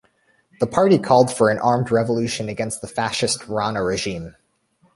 The party called for an armed revolution against the fascist Rana regime.